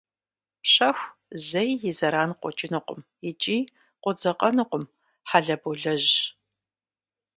Пщэху зэи и зэран къокӏынукъым икӏи къодзэкъэнукъым, хьэлэболэжьщ.